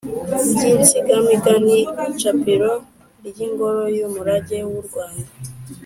by’insigamigani, icapiro ry’ingoro y’umurage w’u rwanda,